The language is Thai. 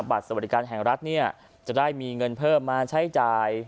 บัตรสวัสดิการแห่งรัฐเนี่ยจะได้มีเงินเพิ่มมาใช้จ่าย